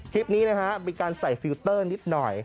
คลิปนี้นะฮะมีการใส่ฟิลเตอร์นิดหน่อย